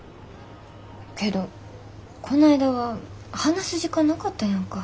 けどこないだは話す時間なかったやんか。